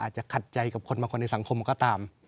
อาจจะขัดใจกับคนบางคนในสังคมก็ตาม